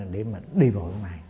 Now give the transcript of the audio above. để mà đi vào